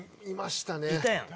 いましたね。